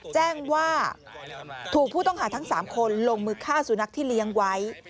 แจ้งว่าถูกผู้ต้องหาทั้ง๓คนลงมือฆ่าสุนัขที่เลี้ยงไว้